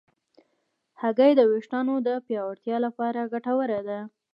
هګۍ د ویښتانو د پیاوړتیا لپاره ګټوره ده.